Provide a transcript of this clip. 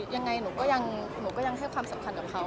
ยังไงหนูก็ยังให้ความสำคัญกับเขา